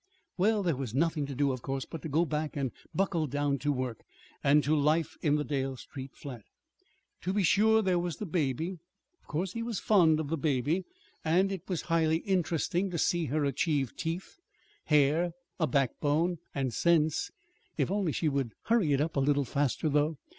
Well, there was nothing to do, of course, but to go back and buckle down to work and to life in the Dale Street flat. To be sure, there was the baby. Of course he was fond of the baby; and it was highly interesting to see her achieve teeth, hair, a backbone, and sense if only she would hurry up a little faster, though.